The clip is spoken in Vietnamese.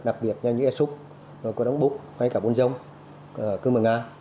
đặc biệt như esup cô đống búc hay cả bôn dông cư mờ nga